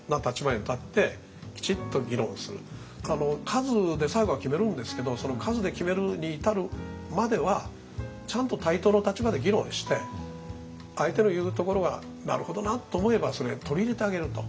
数で最後は決めるんですけどその数で決めるに至るまではちゃんと対等の立場で議論して相手の言うところがなるほどなと思えばそれ取り入れてあげると。